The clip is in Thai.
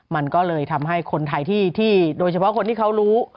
มันก็เลยทำให้คนไทยที่โดยเฉพาะคนที่เขารู้